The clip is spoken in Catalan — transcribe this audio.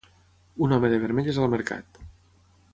Un home de vermell és al mercat.